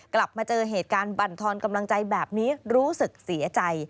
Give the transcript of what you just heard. กลับมาเจอเหตุการณ์บรรทอนกำลังใจแบบนี้รู้สึกเสียใจ